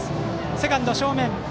セカンド正面。